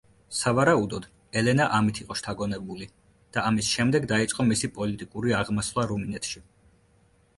სავარაუდოდ, ელენა ამით იყო შთაგონებული და ამის შემდეგ დაიწყო მისი პოლიტიკური აღმასვლა რუმინეთში.